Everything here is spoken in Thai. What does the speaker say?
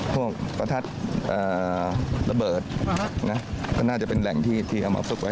พวกพะทัชระเบิดน่าจะเป็นแหล่งที่เอามาอบศึกไว้